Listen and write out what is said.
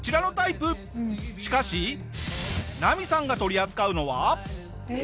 しかしナミさんが取り扱うのは。